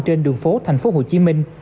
trên đường phố tp hcm